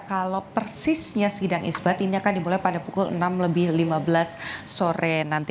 kalau persisnya sidang isbat ini akan dimulai pada pukul enam lebih lima belas sore nanti